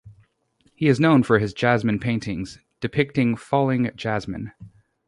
He is known for his jasmine paintings, depicting falling jasmine.